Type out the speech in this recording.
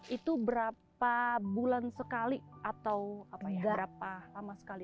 itu berapa bulan sekali atau berapa lama sekali